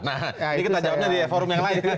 nah ini kita jawabnya di forum yang lain